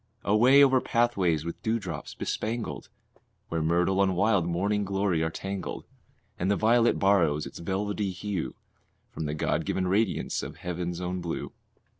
Away over pathways with dewdrops bespangled, Where myrtle and wild morning glory are tangled, And the violet borrows its velvety hue From the God given radiance of heaven's own blue.